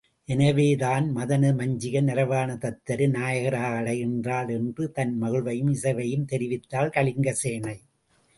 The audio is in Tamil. எனவேதான் மதன மஞ்சிகை நரவாண தத்தரை நாயகராக அடைகின்றாள் என்று தன் மகிழ்வையும் இசைவையும் தெரிவித்தாள் கலிங்கசேனை.